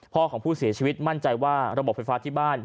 ของผู้เสียชีวิตมั่นใจว่าระบบไฟฟ้าที่บ้าน